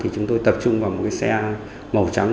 chúng tôi tập trung vào một xe màu trắng